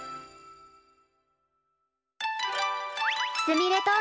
すみれと。